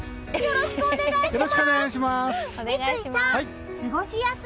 よろしくお願いします！